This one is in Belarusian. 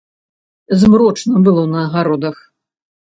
Змрочна было на агародах.